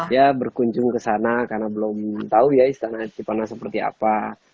ya berkunjung ke sana karena belum tahu ya istana cipanas seperti apa